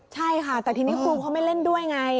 ใช่ค่ะแต่ทีนี้ครูเขาไม่เล่นด้วยไง